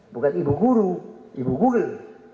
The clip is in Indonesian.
bukan ibu guru ibu google